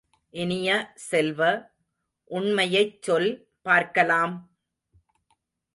இனிய செல்வ, உண்மையைச் சொல் பார்க்கலாம்!